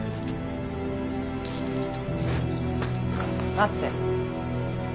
待って。